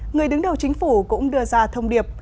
người đứng đầu chính phủ cũng đưa ra thông điệp